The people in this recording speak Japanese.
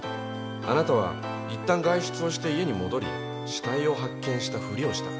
あなたは一旦外出をして家に戻り死体を発見したふりをした。